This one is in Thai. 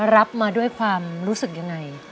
รับมาด้วยความรู้สึกยังไง